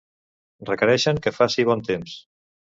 requereixen que faci bon temps